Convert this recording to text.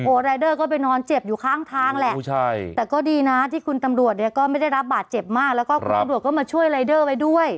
รายเดอร์ก็ไปนอนเจ็บอยู่ข้างทางแหละแต่ก็ดีนะที่คุณตำรวจเนี่ยก็ไม่ได้รับบาดเจ็บมากแล้วก็คุณตำรวจก็มาช่วยรายเดอร์ไว้ด้วย